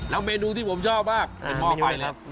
แล้วเมนูที่ผมชอบมากเป็นหม้อไฟเลย